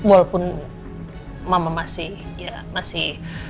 walaupun mama masih ya masih